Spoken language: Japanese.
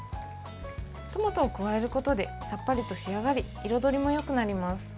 トマトを加えることでさっぱりと仕上がり彩りもよくなります。